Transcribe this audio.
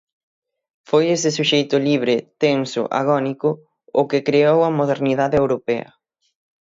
Foi ese suxeito libre, tenso, agónico o que creou a modernidade europea.